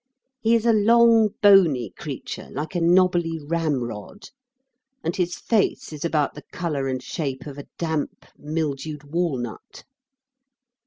He is a long, bony creature like a knobbly ram rod, and his face is about the colour and shape of a damp, mildewed walnut.